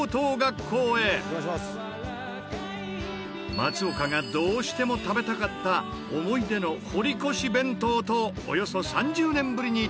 松岡がどうしても食べたかった思い出の堀越弁当とおよそ３０年ぶりに対面。